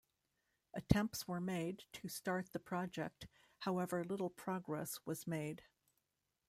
Attempts were made to start the project, however little progress was made.